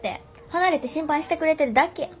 離れて審判してくれてるだけや。